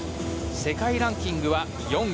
世界ランキングは４位。